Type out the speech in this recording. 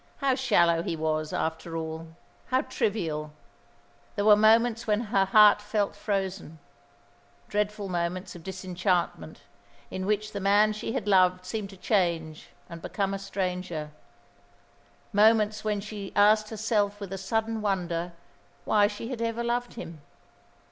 How shallow he was, after all, how trivial! There were moments when her heart felt frozen, dreadful moments of disenchantment in which the man she had loved seemed to change and become a stranger; moments when she asked herself with a sudden wonder why she had ever loved him.